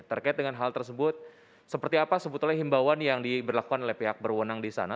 terkait dengan hal tersebut seperti apa sebetulnya himbauan yang diberlakukan oleh pihak berwenang di sana